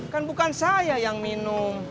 kan bukan saya yang minum